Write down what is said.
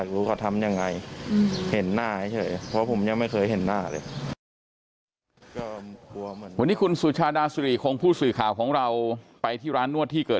เราแค่อยากรู้ว่าเขาทำอะไร